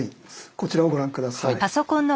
こちらをご覧下さい。